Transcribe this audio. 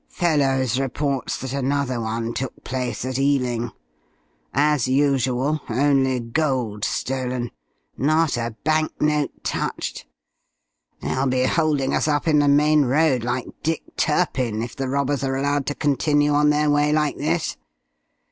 Fellowes reports that another one took place, at Ealing. As usual, only gold stolen. Not a bank note touched. They'll be holding us up in the main road, like Dick Turpin, if the robbers are allowed to continue on their way like this.